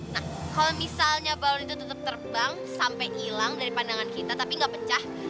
nah kalau misalnya balon itu tetap terbang sampai hilang dari pandangan kita tapi nggak pecah